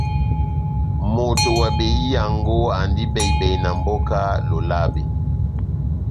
Moto wa behiyango andi bɛhi-bɛhi na mboka ya Lolabe.